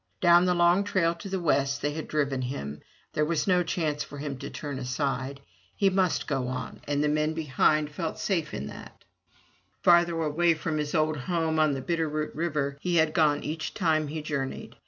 Down the long trail to the west they had driven him; there was no chance for him to turn aside. He must go on, and the men behind felt safe in that. 223 MY BOOK HOUSE Farther away from his old home on the Bitterroot River he had gone each time he journeyed.